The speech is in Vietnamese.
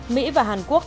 mỹ và hàn quốc